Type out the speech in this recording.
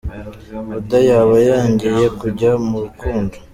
Oda yaba yongeye kujya mu rukundo